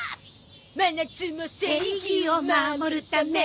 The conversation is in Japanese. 「真夏の正義を守るため」